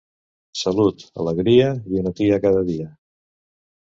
Salut, alegria i una tia cada dia!